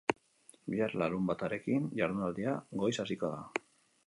Bihar, larunbatarekin, jardunaldia goiz hasiko da.